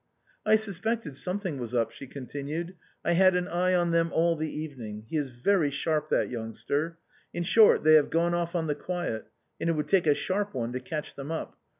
" I suspected something was up," she continued. " I had an eye on them all the evening; he is very sharp, that youngster. In short, they have gone off on the quiet, and it would take a sharp one to catch them up.